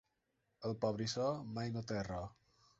El pobrissó mai no té raó.